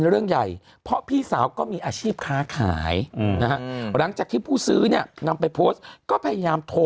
เห็นไหมเขาก็มีเหตุ